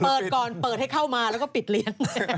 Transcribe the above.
เปิดก่อนเปิดให้เข้ามาแล้วก็ปิดเลี้ยง